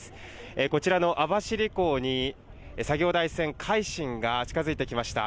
こちらの網走港に、作業台船、海進が近づいてきました。